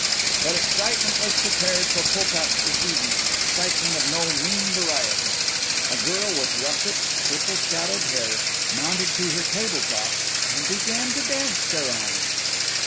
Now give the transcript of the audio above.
But excitement was prepared for Pulpat's this evening excitement of no mean variety. A girl with russet, purple shadowed hair mounted to her table top and began to dance thereon.